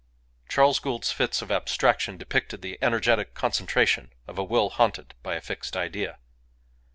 Charles Gould's fits of abstraction depicted the energetic concentration of a will haunted by a fixed idea.